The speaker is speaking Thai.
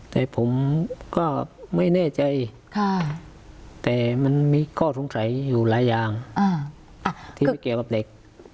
แต่ผมก็ไม่แน่ใจแต่มันมีข้อสงสัยอยู่หลายอย่างที่ไม่เกี่ยวกับเด็ก